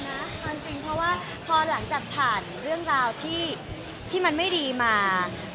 เอาจริงเพราะว่าพอหลังจากผ่านเรื่องราวที่มันไม่ดีมา